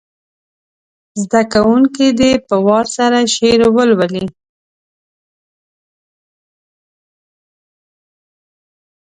زده کوونکي دې په وار سره شعر ولولي.